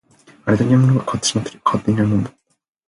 あれだけのものが変わってしまったけど、変わっていないものもあった